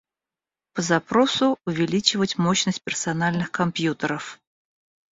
По запросу увеличивать мощность персональных компьютеров